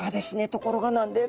ところがなんです。